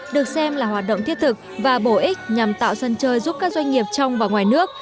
được xem là hoạt động thiết thực và bổ ích nhằm tạo sân chơi giúp các doanh nghiệp trong và ngoài nước